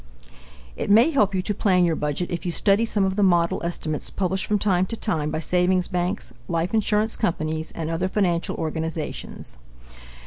It may help you to plan your budget if you study some of the model estimates published from time to time by savings banks, life insurance companies, and other financial organizations.